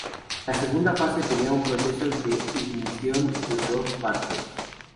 La segunda fase tenía un proceso de ignición de dos partes.